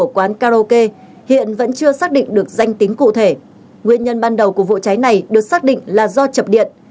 quán karaoke hiện vẫn chưa xác định được danh tính cụ thể nguyên nhân ban đầu của vụ cháy này được xác định là do chập điện